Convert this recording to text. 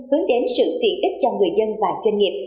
hướng đến sự tiện ích cho người dân và doanh nghiệp